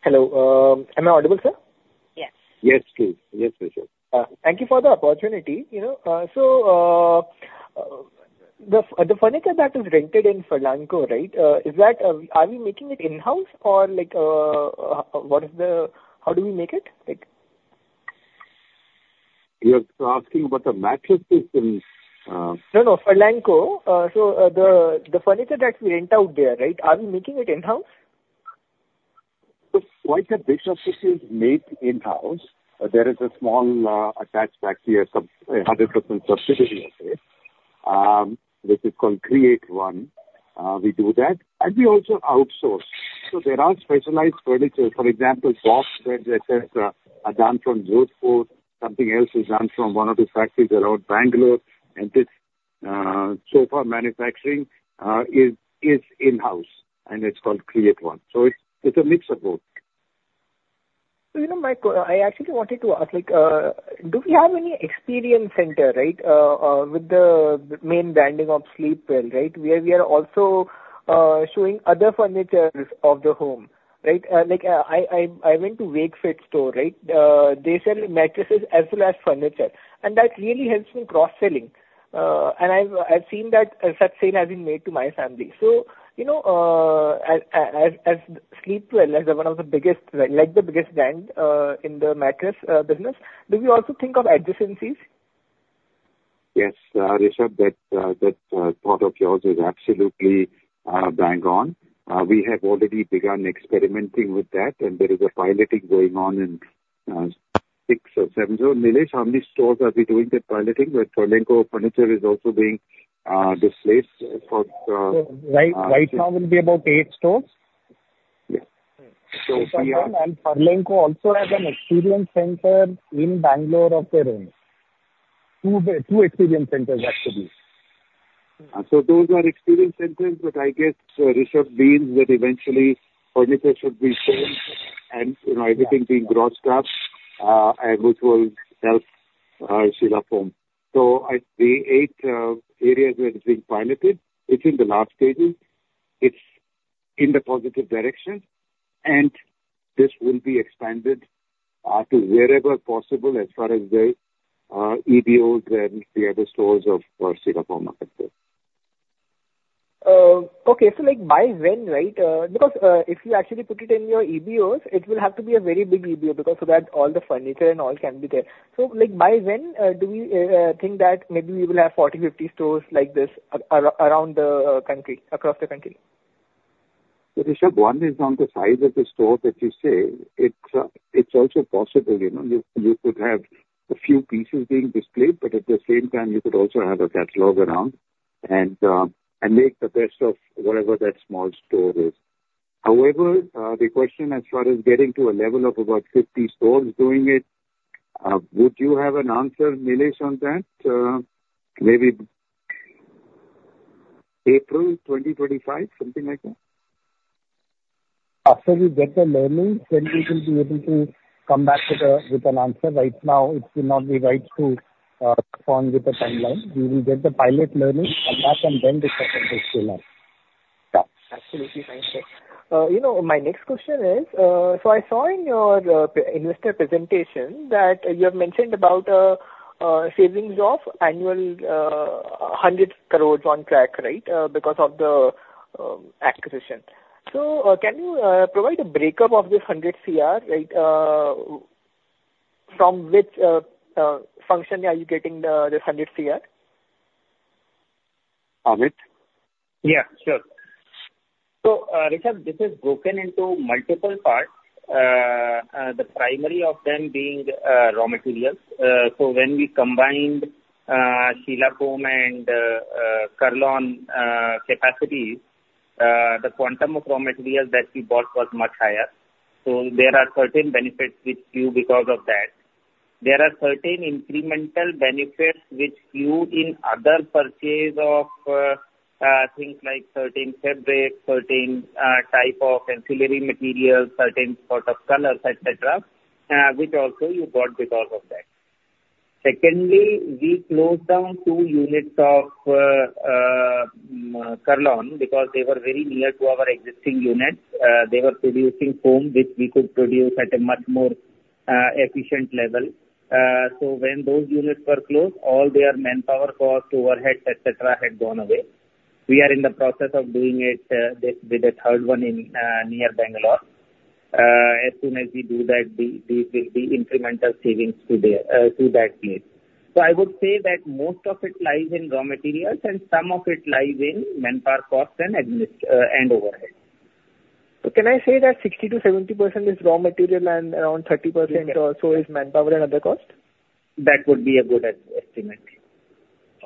Hello. Am I audible, sir? Yes. Yes, please. Yes, Rishabh. Thank you for the opportunity. So the furniture that is rented in Furlenco, right, are we making it in-house or what is the how do we make it? You're asking about the mattresses? No, no. Furlenco. So the furniture that we rent out there, right, are we making it in-house? Quite a bit of it is made in-house. There is a small attached back here, 100% subsidiary, which is called Create One. We do that. And we also outsource. So there are specialized furniture, for example, box beds, etc., are done from Jodhpur. Something else is done from one of the factories around Bangalore. And this sofa manufacturing is in-house, and it's called Create One. So it's a mix of both. So Michael, I actually wanted to ask, do we have any experience center, right, with the main branding of Sleepwell, right? We are also showing other furniture of the home, right? I went to Wakefit store, right? They sell mattresses as well as furniture. And that really helps in cross-selling. And I've seen that such sale has been made to my family. So as Sleepwell is one of the biggest, like the biggest brand in the mattress business, do we also think of adjacencies? Yes. Rishabh, that part of yours is absolutely bang on. We have already begun experimenting with that, and there is a piloting going on in six or seven. So Nilesh, how many stores are we doing the piloting? Furlenco furniture is also being displaced for. Right now, will be about eight stores? Yes. So we are. Furlenco also has an experience center in Bangalore of their own. Two experience centers, actually. So those are experience centers, but I guess Rishabh means that eventually furniture should be sold and everything being broadcast, which will help Sheela Foam, so the eight areas where it's being piloted, it's in the last stages. It's in the positive direction, and this will be expanded to wherever possible as far as the EBOs and the other stores of Sheela Foam are concerned. Okay, so by when, right? Because if you actually put it in your EBOs, it will have to be a very big EBO because all the furniture and all can be there, so by when do we think that maybe we will have 40, 50 stores like this around the country, across the country? So Rishabh, one is on the size of the store that you say. It's also possible. You could have a few pieces being displayed, but at the same time, you could also have a catalog around and make the best of whatever that small store is. However, the question as far as getting to a level of about 50 stores doing it, would you have an answer, Nilesh, on that? Maybe April 2025, something like that? After we get the learning, then we will be able to come back with an answer. Right now, it will not be right to respond with a timeline. We will get the pilot learning, come back, and then discuss at this time. Yeah. Absolutely. Thank you. My next question is, so I saw in your investor presentation that you have mentioned about savings of annual 100 crores on track, right, because of the acquisition. So can you provide a breakup of this 100 CR, right? From which function are you getting this 100 CR? On it? Yeah. Sure. So Rishabh, this is broken into multiple parts, the primary of them being raw materials. So when we combined Sheela Foam and Kurlon capacities, the quantum of raw materials that we bought was much higher. So there are certain benefits which flow because of that. There are certain incremental benefits which flow in other purchases of things like certain fabric, certain type of ancillary materials, certain sort of colors, etc., which we also bought because of that. Secondly, we closed down two units of Kurlon because they were very near to our existing units. They were producing foam which we could produce at a much more efficient level. So when those units were closed, all their manpower cost, overheads, etc., had gone away. We are in the process of doing it with a third one near Bangalore. As soon as we do that, these will be incremental savings to that need. So I would say that most of it lies in raw materials and some of it lies in manpower cost and overhead. So can I say that 60%-70% is raw material and around 30% or so is manpower and other cost? That would be a good estimate.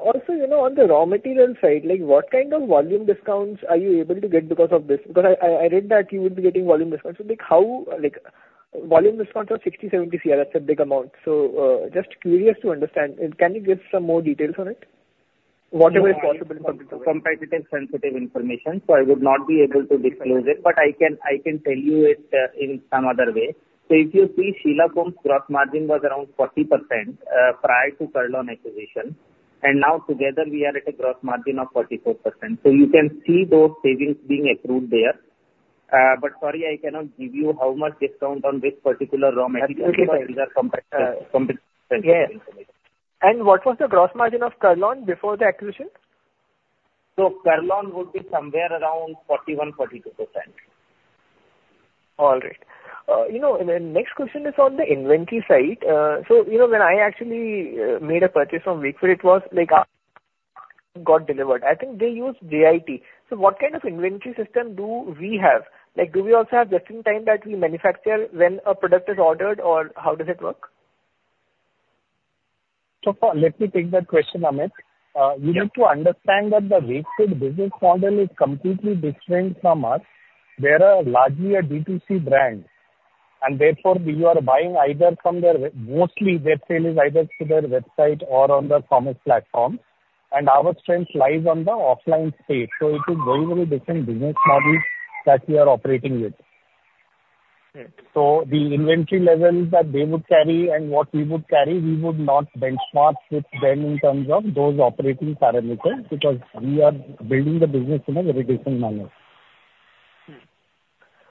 Also, on the raw material side, what kind of volume discounts are you able to get because of this? Because I read that you will be getting volume discounts. So volume discounts of 60-70 CR, that's a big amount. So just curious to understand, can you give some more details on it? Whatever is possible. Commercially sensitive information, so I would not be able to disclose it, but I can tell you it in some other way. If you see, Sheela Foam's gross margin was around 40% prior to Kurlon acquisition. And now together, we are at a gross margin of 44%. So you can see those savings being accrued there. But sorry, I cannot give you how much discount on this particular raw material compared to the competitor. Yeah. And what was the gross margin of Kurlon before the acquisition? So Kurlon would be somewhere around 41% to 42%. All right. The next question is on the inventory side. So when I actually made a purchase from Wakefit, it was got delivered. I think they use JIT. So what kind of inventory system do we have? Do we also have just-in-time that we manufacture when a product is ordered, or how does it work? So let me take that question, Amit. You need to understand that the Wakefit business model is completely different from us. They are largely a B2C brand. And therefore, we are buying either from their mostly, their sale is either to their website or on the commerce platform. And our strength lies on the offline space. So it is very, very different business model that we are operating with. So the inventory level that they would carry and what we would carry, we would not benchmark with them in terms of those operating parameters because we are building the business in a very different manner.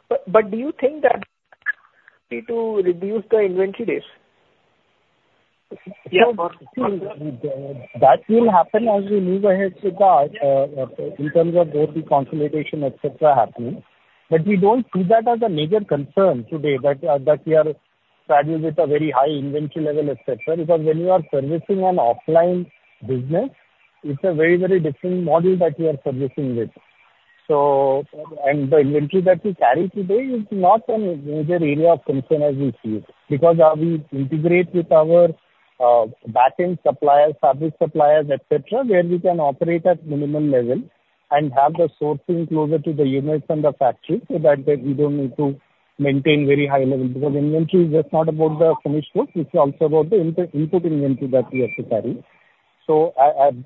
But do you think that need to reduce the inventories? Yeah. That will happen as we move ahead in terms of both the consolidation, etc., happening. But we don't see that as a major concern today that we are struggling with a very high inventory level, etc., because when you are servicing an offline business, it's a very, very different model that we are servicing with. And the inventory that we carry today is not an area of concern as we see it because we integrate with our back-end suppliers, fabric suppliers, etc., where we can operate at minimum level and have the sourcing closer to the units and the factory so that we don't need to maintain very high level because inventory is just not about the finished goods. It's also about the input inventory that we have to carry. So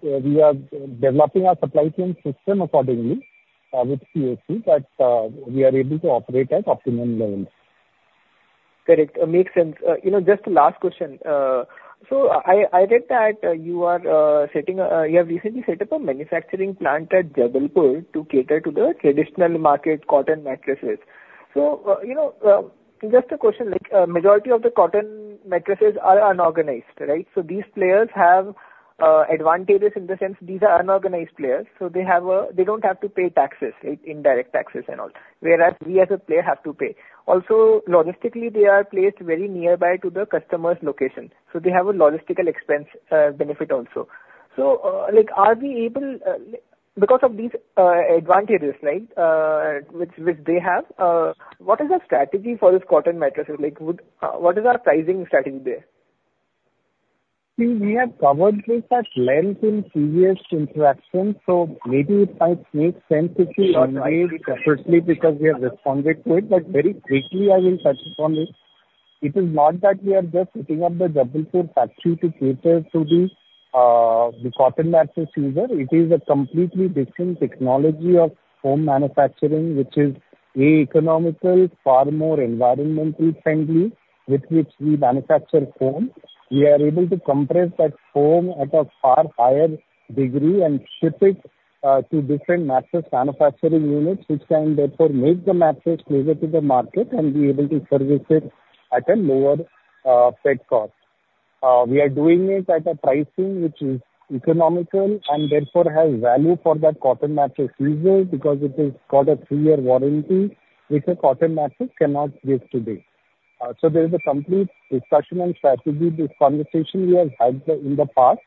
we are developing our supply chain system accordingly with POC that we are able to operate at optimum levels. Correct. Makes sense. Just the last question. So I read that you have recently set up a manufacturing plant at Jodhpur to cater to the traditional market cotton mattresses. So just a question, majority of the cotton mattresses are unorganized, right? So these players have advantages in the sense these are unorganized players. So they don't have to pay taxes, indirect taxes and all, whereas we as a player have to pay. Also, logistically, they are placed very nearby to the customer's location. So they have a logistical expense benefit also. So are we able, because of these advantages, right, which they have, what is the strategy for these cotton mattresses? What is our pricing strategy there? We have covered this at length in previous interactions, so maybe it might make sense if you advised separately because we have responded to it, but very quickly, I will touch upon this. It is not that we are just setting up the Jodhpur factory to cater to the cotton mattress user. It is a completely different technology of foam manufacturing, which is economical, far more environmentally friendly, with which we manufacture foam. We are able to compress that foam at a far higher degree and ship it to different mattress manufacturing units, which can therefore make the mattress closer to the market and be able to service it at a lower freight cost. We are doing it at a pricing which is economical and therefore has value for that cotton mattress user because it is got a three-year warranty, which a cotton mattress cannot give today. There is a complete discussion and strategy. This conversation we have had in the past,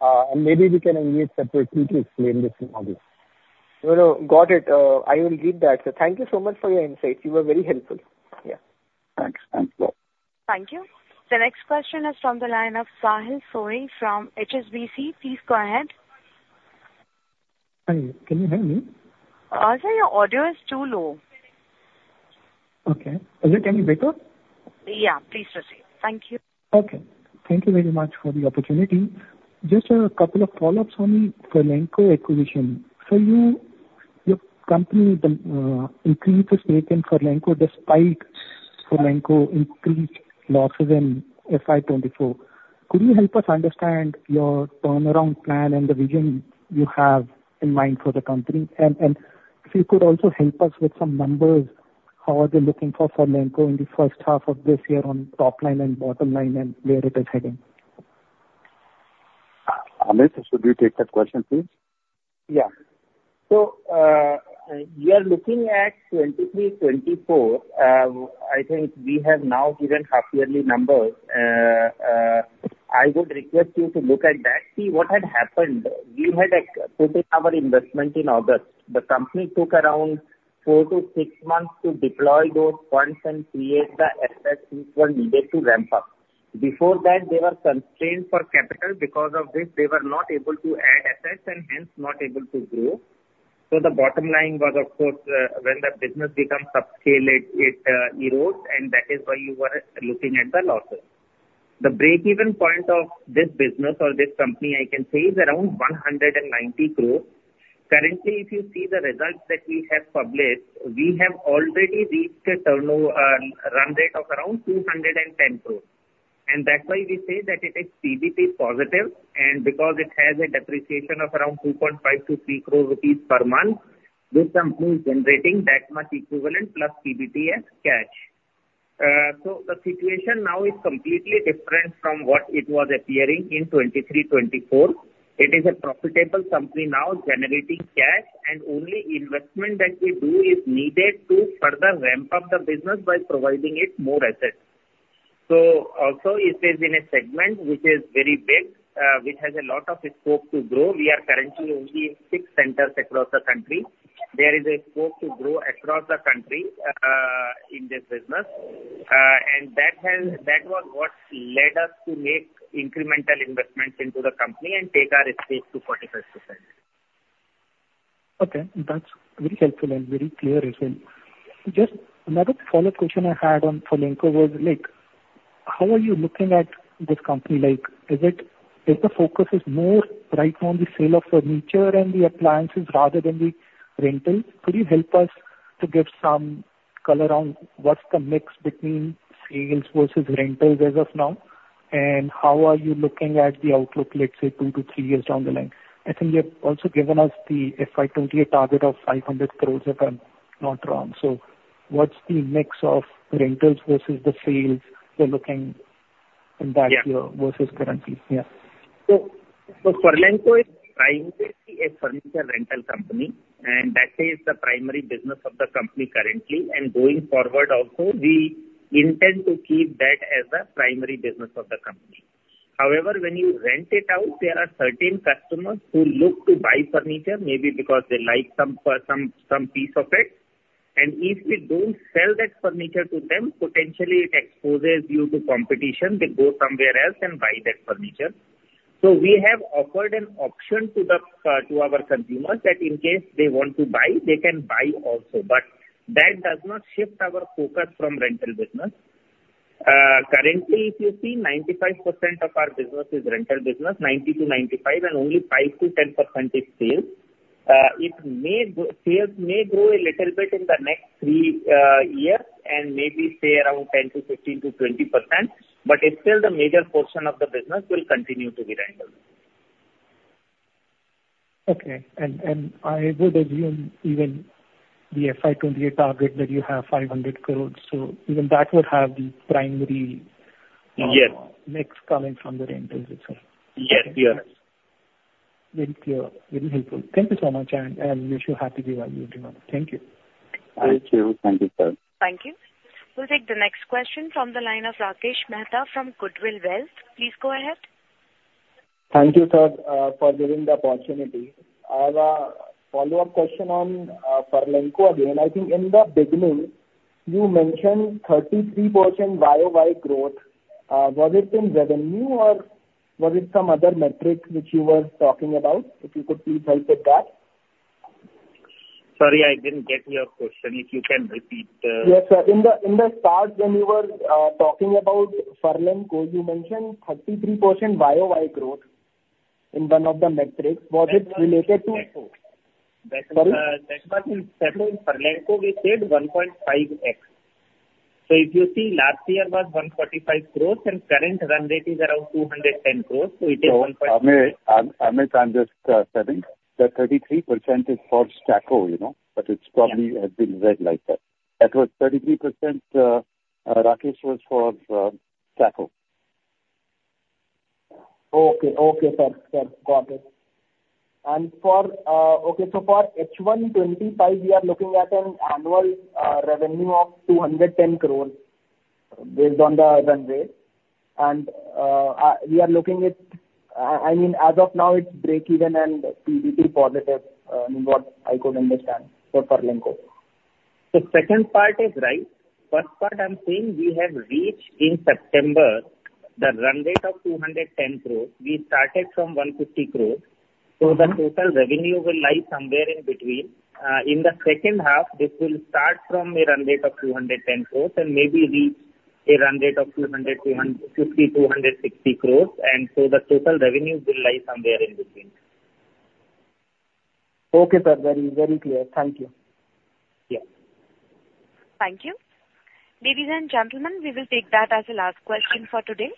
and maybe we can engage separately to explain this model. Got it. I will leave that. So thank you so much for your insights. You were very helpful. Yeah. Thanks. Thanks. Thank you. The next question is from the line of Sahil Sanghvi from BCG. Please go ahead. Can you hear me? Sahil, your audio is too low. Okay. Is it any better? Yeah. Please proceed. Thank you. Okay. Thank you very much for the opportunity. Just a couple of follow-ups on the Furlenco acquisition. So your company increased its weight in Furlenco despite Furlenco's increased losses in FY24. Could you help us understand your turnaround plan and the vision you have in mind for the company? And if you could also help us with some numbers, how are they looking for Furlenco in the first half of this year on top line and bottom line and where it is heading? Amit, would you take that question, please? Yeah. So, we are looking at 2023, 2024. I think we have now given half-yearly numbers. I would request you to look at that, see what had happened. We had a total of our investment in August. The company took around four to six months to deploy those funds and create the assets which were needed to ramp up. Before that, they were constrained for capital. Because of this, they were not able to add assets and hence not able to grow. So the bottom line was, of course, when the business becomes subscaled, it erodes, and that is why you were looking at the losses. The break-even point of this business or this company, I can say, is around 190 crores. Currently, if you see the results that we have published, we have already reached a run rate of around 210 crores. And that's why we say that it is PBT positive. And because it has a depreciation of around 2.5 to 3 crore rupees per month, this company is generating that much equivalent plus PBT as cash. So the situation now is completely different from what it was appearing in 2023, 2024. It is a profitable company now, generating cash, and only investment that we do is needed to further ramp up the business by providing it more assets. So also, it is in a segment which is very big, which has a lot of scope to grow. We are currently only in six centers across the country. There is a scope to grow across the country in this business. And that was what led us to make incremental investments into the company and take our stake to 45%. Okay. That's very helpful and very clear as well. Just another follow-up question I had on Furlenco was, how are you looking at this company? Is the focus more right now on the sale of furniture and the appliances rather than the rentals? Could you help us to get some color on what's the mix between sales versus rentals as of now, and how are you looking at the outlook, let's say, two-to-three years down the line? I think you have also given us the FY28 target of 500 crores, if I'm not wrong. So what's the mix of rentals versus the sales you're looking in that year versus currently? Yeah. Furlenco is primarily a furniture rental company, and that is the primary business of the company currently. And going forward also, we intend to keep that as the primary business of the company. However, when you rent it out, there are certain customers who look to buy furniture, maybe because they like some piece of it. And if you don't sell that furniture to them, potentially it exposes you to competition. They go somewhere else and buy that furniture. So we have offered an option to our consumers that in case they want to buy, they can buy also. But that does not shift our focus from rental business. Currently, if you see, 95% of our business is rental business, 90% to 95%, and only 5% to 10% is sales. Sales may grow a little bit in the next three years and maybe stay around 10% to 15% to 20%, but still the major portion of the business will continue to be rental. Okay. And I would assume even the FY28 target that you have 500 crores, so even that would have the primary mix coming from the rentals. Yes. Yes. Very clear. Very helpful. Thank you so much, and we're so happy to be with you. Thank you. Thank you. Thank you, sir. Thank you. We'll take the next question from the line of Rakesh Mehta from Goodwill Wealth. Please go ahead. Thank you, sir, for giving the opportunity. I have a follow-up question on Furlenco again. I think in the beginning, you mentioned 33% YOY growth. Was it in revenue, or was it some other metric which you were talking about? If you could please help with that. Sorry, I didn't get your question. If you can repeat the? Yes, sir. In the start, when you were talking about Furlenco, you mentioned 33% YOY growth in one of the metrics. Was it related to? That's not in Furlenco. We said 1.5X. So if you see, last year was 145 crores, and current run rate is around 210 crores. So it is 1.5X. Amit, I'm just adding that 33% is for Staqo, but it probably has been read like that. That was 33%. Rakesh was for Staqo. Okay. Okay, sir. Sir, got it. And okay, so for H125, we are looking at an annual revenue of 210 crores based on the run rate. And we are looking at, I mean, as of now, it's break-even and PBT positive, from what I could understand for Furlenco. The second part is right. First part, I'm saying we have reached in September the run rate of 210 crores. We started from 150 crores. So the total revenue will lie somewhere in between. In the second half, this will start from a run rate of 210 crores and maybe reach a run rate of 250 to 260 crores. And so the total revenue will lie somewhere in between. Okay, sir. Very clear. Thank you. Yeah. Thank you. Ladies and gentlemen, we will take that as a last question for today.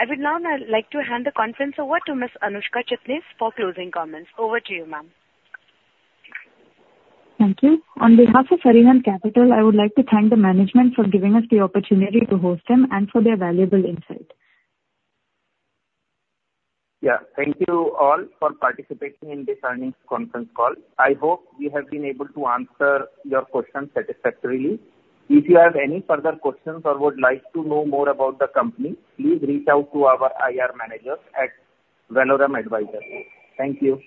I would now like to hand the conference over to Ms. Anushka Chitnis for closing comments. Over to you, ma'am. Thank you. On behalf of Arihant Capital, I would like to thank the management for giving us the opportunity to host them and for their valuable insight. Yeah. Thank you all for participating in this earnings conference call. I hope we have been able to answer your questions satisfactorily. If you have any further questions or would like to know more about the company, please reach out to our IR managers at Valorem Advisors. Thank you.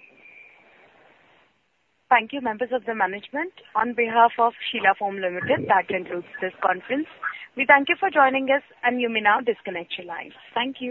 Thank you, members of the management. On behalf of Sheela Foam Limited, that concludes this conference. We thank you for joining us, and you may now disconnect your lines. Thank you.